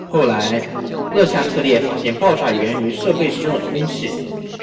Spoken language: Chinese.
后来勒夏特列发现爆炸缘于设备之中的空气。